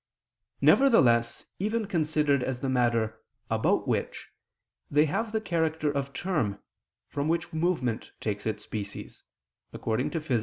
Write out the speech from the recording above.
Nevertheless, even considered as the matter "about which," they have the character of term, from which movement takes its species (Phys.